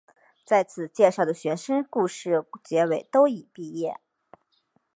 在此介绍的学生故事结尾都已毕业。